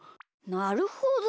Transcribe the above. なるほど。